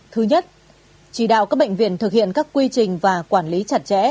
thứ nhất chỉ đạo các bệnh viện thực hiện các quy trình và quản lý chặt chẽ